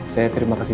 saya terima kasih